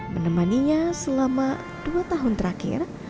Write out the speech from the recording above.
menemani nya selama dua tahun terakhir